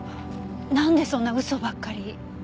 なんでそんな嘘ばっかり。